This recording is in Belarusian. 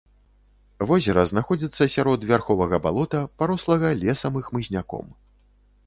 Возера знаходзіцца сярод вярховага балота, парослага лесам і хмызняком.